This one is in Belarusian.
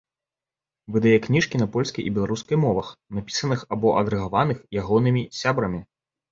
Выдае кніжкі на польскай і беларускай мовах, напісаных або адрэдагаваных ягонымі сябрамі.